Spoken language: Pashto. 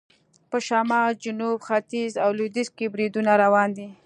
په شمال، جنوب، ختیځ او لویدیځ کې بریدونه روان دي.